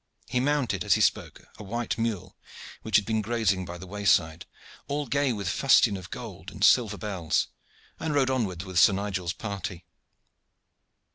He mounted, as he spoke, a white mule which had been grazing by the wayside, all gay with fustian of gold and silver bells, and rode onward with Sir Nigel's party.